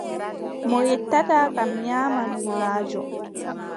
Mo yettataa kam, nyaaman wulaajo.